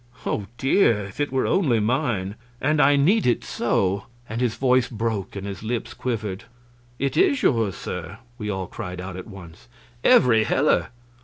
"Oh dear! if it were only mine and I need it so!" and his voice broke and his lips quivered. "It is yours, sir!" we all cried out at once, "every heller!"